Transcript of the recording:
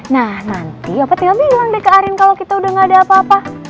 nah nanti opa tinggal bilang deh ke arin kalo kita udah gak ada apa apa